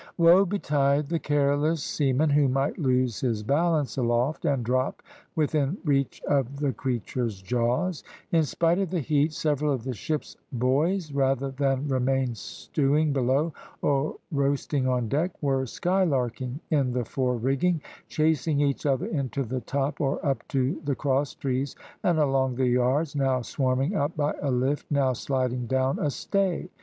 Woe betide the careless seaman who might lose his balance aloft, and drop within reach of the creature's jaws. In spite of the heat several of the ship's boys, rather than remain stewing below or roasting on deck, were sky larking in the fore rigging, chasing each other into the top or up to the cross trees and along the yards, now swarming up by a lift, now sliding down a stay.